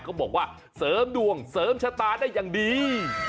บอกว่าเสริมดวงเสริมชะตาได้อย่างดี